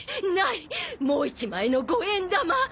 もう一枚の５円玉。